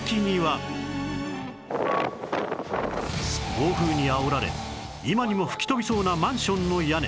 暴風にあおられ今にも吹き飛びそうなマンションの屋根